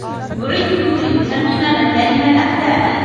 بُعِثْتُ لِأُتَمِّمَ مَكَارِمَ الْأَخْلَاقِ